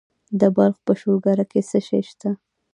د بلخ په شولګره کې څه شی شته؟